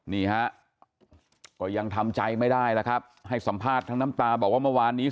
นี่ฮะก็ยังทำใจไม่ได้แล้วครับให้สัมภาษณ์ทั้งน้ำตาบอกว่าเมื่อวานนี้